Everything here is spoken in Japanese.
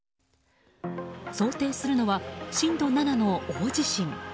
想定するのは、震度７の大地震。